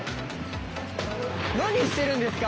何してるんですか？